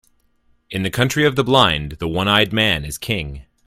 In the country of the blind, the one-eyed man is king.